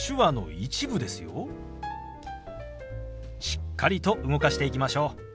しっかりと動かしていきましょう。